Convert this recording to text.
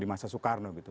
di masa soekarno gitu